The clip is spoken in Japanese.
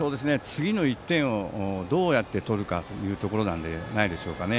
次の１点をどうやって取るかというところなんじゃないでしょうか。